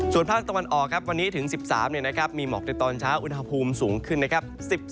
ส่วนภาคตะวันออกครับวันนี้ถึง๑๓มีหมอกในตอนเช้าอุณหภูมิสูงขึ้นนะครับ